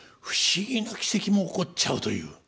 不思議な奇跡も起こっちゃうという。